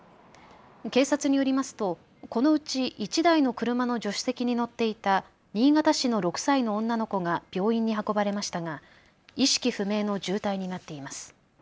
警察によりますとこのうち１台の車の助手席に乗っていた新潟市の６歳の女の子が病院に運ばれましたが意識不明の重体になっています。